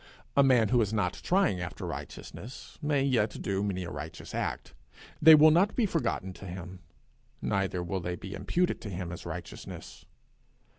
A man who is not trying after righteousness may yet do many a righteous act: they will not be forgotten to him, neither will they be imputed to him as righteousness.